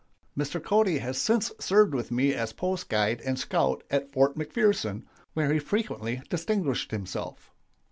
"Mr. Cody has since served with me as post guide and scout at Fort McPherson, where he frequently distinguished himself.